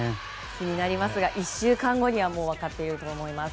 気になりますが１週間後には分かっていると思います。